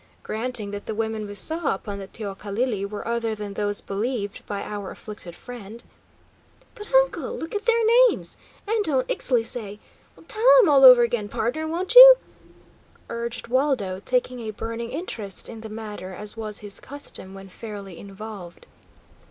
Granting that the women we saw upon the teocalli were other than those believed by our afflicted friend " "But, uncle, look at their names! And don't Ixtli say tell 'em all over again, pardner, won't ye?" urged Waldo, taking a burning interest in the matter, as was his custom when fairly involved.